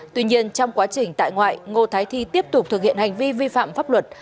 tuy nhiên trong quá trình tại ngoại ngô thái thi tiếp tục thực hiện hành vi vi phạm pháp luật